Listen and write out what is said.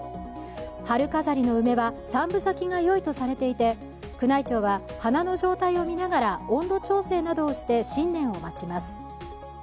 春飾りの梅は３分咲きがよいとされていて、宮内庁は花の状態を見ながら温度調整などをして新年を待ちます。